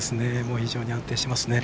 非常に安定していますね。